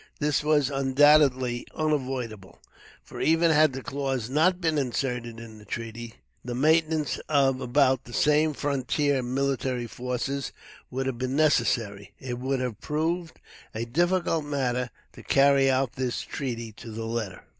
This was, undoubtedly, unavoidable, for even had the clause not been inserted in the treaty, the maintenance of about the same frontier military forces would have been necessary. It would have proved a difficult matter to carry out this treaty to the letter.